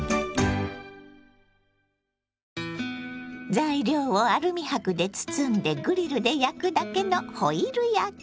材料をアルミ箔で包んでグリルで焼くだけのホイル焼き。